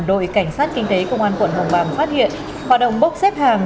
đội cảnh sát kinh tế công an quận hồng bàng phát hiện hoạt động bốc xếp hàng